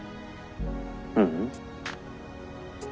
ううん。